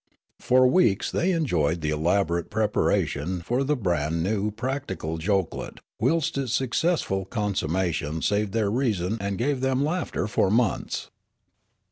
For weeks they enjoyed the elaborate preparation for the brand new practical jokelet ; whilst its success ful consummation saved their reason and gave them laughter for months.